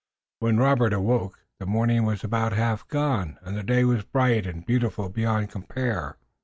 When Robert awoke, the morning was about half gone and the day was bright and beautiful beyond compare.